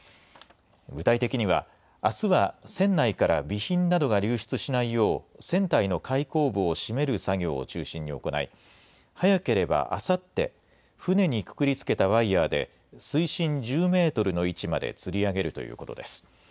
具体的には、あすは船内から備品などが流出しないよう、船体の開口部を閉める作業を中心に行い、早ければあさって、船にくくりつけたワイヤーで、水深１０メートルの位置までつり上げるということです。